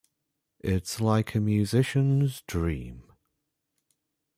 It's like a musician's dream.